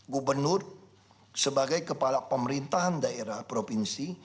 gubernur sebagai kepala pemerintahan daerah provinsi